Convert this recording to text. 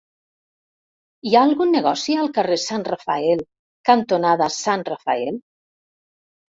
Hi ha algun negoci al carrer Sant Rafael cantonada Sant Rafael?